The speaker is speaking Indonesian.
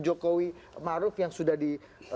jokowi maruf yang sudah di